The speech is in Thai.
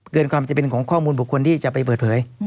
ความจะเป็นของข้อมูลบุคคลที่จะไปเปิดเผย